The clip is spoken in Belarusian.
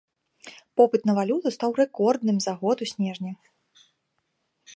Попыт на валюту стаў рэкордным за год у снежні.